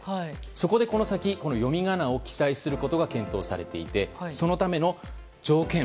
そこでこの先、読み仮名を記載することが検討されていてそのための条件